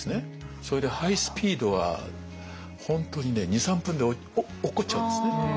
それでハイスピードは本当にね２３分で落っこっちゃうんですね。